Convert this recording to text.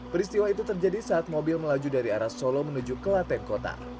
peristiwa itu terjadi saat mobil melaju dari arah solo menuju kelaten kota